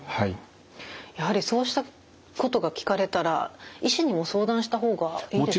やはりそうしたことが聞かれたら医師にも相談した方がいいですよね？